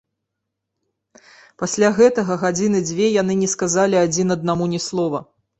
Пасля гэтага гадзіны дзве яны не сказалі адзін аднаму ні слова.